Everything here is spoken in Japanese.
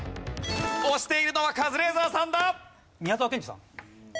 押しているのはカズレーザーさんだ！